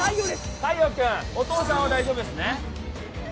太陽くんお父さんは大丈夫ですね？